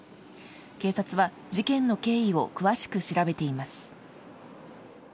警察は事件の経緯を詳しく調べています。